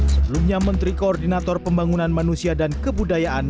sebelumnya menteri koordinator pembangunan manusia dan kebudayaan